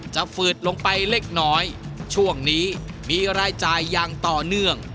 ฝืดลงไปเล็กน้อยช่วงนี้มีรายจ่ายอย่างต่อเนื่อง